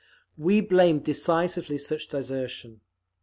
We blame decisively such desertion.